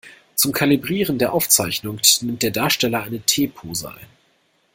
Zum Kalibrieren der Aufzeichnung nimmt der Darsteller eine T-Pose ein.